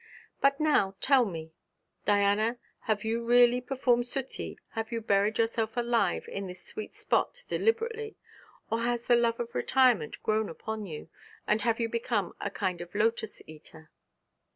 But now tell me. Diana, have you really performed suttee, have you buried yourself alive in this sweet spot deliberately, or has the love of retirement grown upon you, and have you become a kind of lotus eater?'